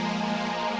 udah pada kerja